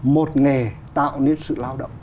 một nghề tạo nên sự lao động